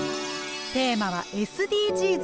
テーマは「ＳＤＧｓ」です。